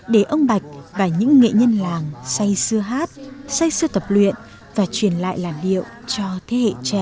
để ông bạch và những nghệ nhân làng say sư hát say sư tập luyện và truyền lại làn điệu cho thế hệ trẻ